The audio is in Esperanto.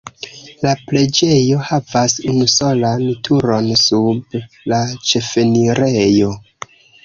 La preĝejo havas unusolan turon sub la ĉefenirejo.